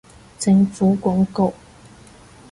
政府廣告